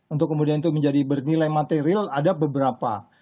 untuk kemudian itu menjadi bernilai material ada beberapa